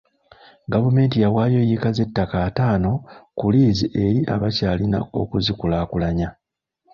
Gavumenti yawaayo yiika z'ettaka ataano ku liizi eri Abakyalina okuzikulaakulanya.